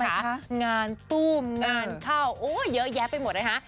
งานตู้มงานเข้าโอ้เยอะแยะไปหมดนะคะ